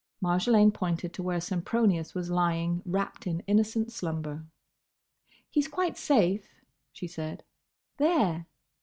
Marjolaine pointed to where Sempronius was lying wrapped in innocent slumber. "He's quite safe," she said. "There."